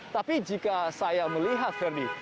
tapi jika saya melihat ferdi